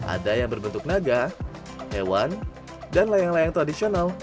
ada yang berbentuk naga hewan dan layang layang tradisional